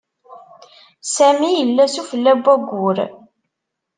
Sami yella sufella n wayyur.